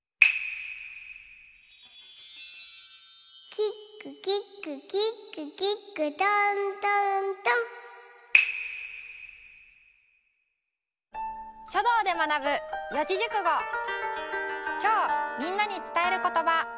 「キックキックキックキック」きょうみんなにつたえることば。